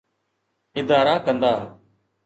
ادارا ڪندا؟